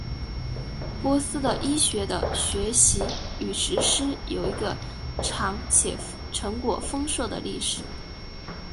波斯的医学的学习与实施有一个长且成果丰硕的历史。